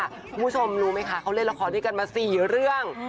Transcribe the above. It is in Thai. คุณผู้ชมรู้ไหมคะเขาเล่นละครด้วยกันมา๔เรื่อง